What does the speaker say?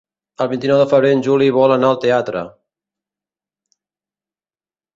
El vint-i-nou de febrer en Juli vol anar al teatre.